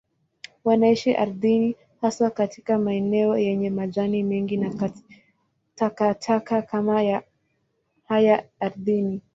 Wanaishi ardhini, haswa katika maeneo yenye majani mengi na takataka kama haya ardhini.